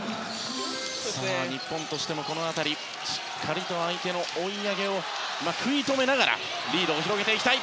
日本としてもこの辺りしっかりと相手の追い上げを食い止めながらリードを広げていきたい。